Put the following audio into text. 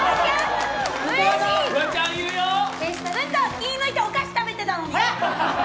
気を抜いてお菓子を食べてたのに。